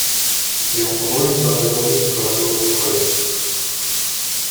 "To ją powoli z garderoby przeprowadziło do pokojów."